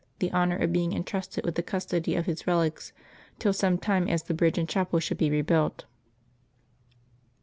the honor of being intrusted with the custody of his relics till such time as the bridge and chapel should be rebuilt.